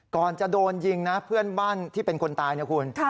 ก่อนจะโดนยิงนะเพื่อนบ้านที่เป็นคนตายนะคุณ